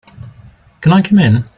Can I come in?